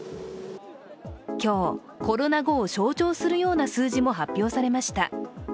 今日、コロナ後を象徴するような数字も発表されました。